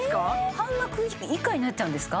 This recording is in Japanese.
半額以下になっちゃうんですか？